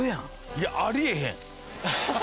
いやありえへん！